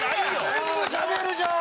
全部しゃべるじゃん！